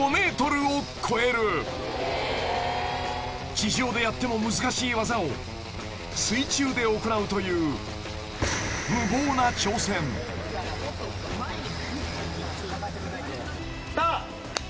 ［地上でやっても難しい技を水中で行うという］スタート。